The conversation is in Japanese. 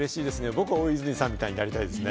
僕は大泉さんみたいになりたいですね。